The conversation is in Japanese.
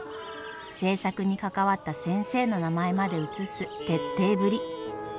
制作に関わった先生の名前まで写す徹底ぶり。